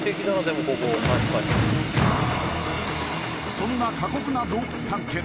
そんな過酷な洞窟探検